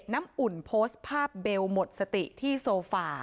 น้ำอุ่นโพสต์ภาพเบลหมดสติที่โซฟา